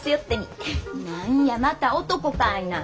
何やまた男かいな。